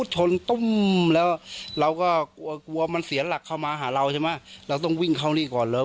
ชนตุ้มแล้วเราก็กลัวกลัวมันเสียหลักเข้ามาหาเราใช่ไหมเราต้องวิ่งเข้านี่ก่อนเลย